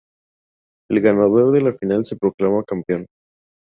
El ganador de la final se proclama campeón.